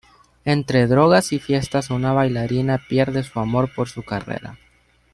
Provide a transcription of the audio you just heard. Entre drogas y fiestas una bailarina pierde su amor por su carrera.